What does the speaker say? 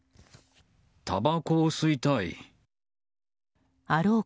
たばこを吸いたい。